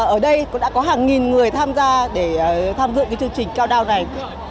ở đây cũng đã có hàng nghìn người tham gia để tham dự cái chương trình cao đao này